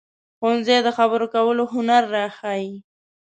ښوونځی د خبرو کولو هنر راښيي